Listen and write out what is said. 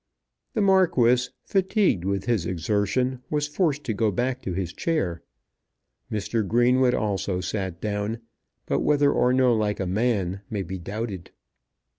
The Marquis, fatigued with his exertion, was forced to go back to his chair. Mr. Greenwood also sat down, but whether or no like a man may be doubted.